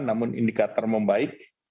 namun indikator membaik